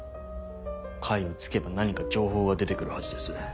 甲斐を突けば何か情報が出てくるはずです。